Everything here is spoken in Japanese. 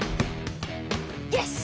よし！